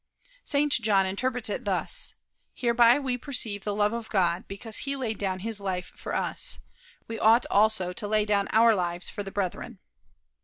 St. John interprets this thus: Hereby we perceive the love of God, because he laid down his life for us. We ought also to lay down our lives for the brethren.